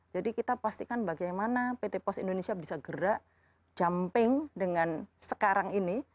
jadi kita pastikan bagaimana pt pos indonesia bisa gerak jumping dengan sekarang ini